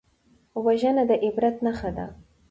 وژنه د عبرت نښه ده